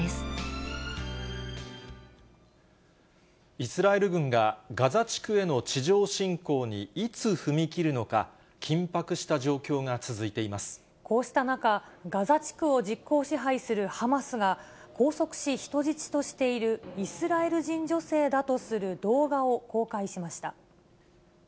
イスラエル軍がガザ地区への地上侵攻にいつ踏み切るのか、こうした中、ガザ地区を実効支配するハマスが、拘束し、人質としているイスラエル人女性だとする動画を公開しました。